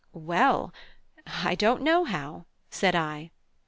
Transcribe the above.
"Well I don't know how," said I.